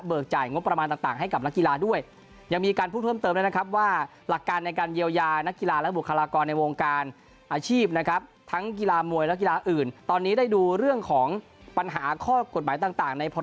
เป็นประธานในการมอบหน้ากากผ้าให้กับสมาคมกีฬา